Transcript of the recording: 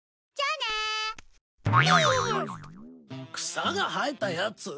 草が生えたやつ？